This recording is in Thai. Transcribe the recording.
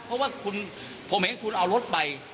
เพราะว่าผมเห็นคุณเอารถไป